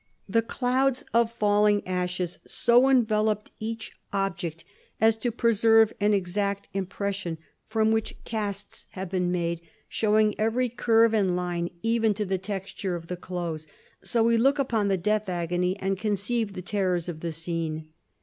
The clouds of falling ashes so enveloped each object as to preserve an exact impression, from which casts have been made, showing every curve and line, even to the texture of the clothes. So we look upon the death agony, and conceive the terrors of the scene.